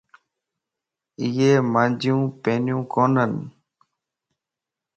ايي مانجيون پينيون ڪونين